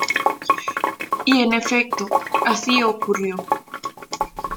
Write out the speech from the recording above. Y en efecto, así ocurrió.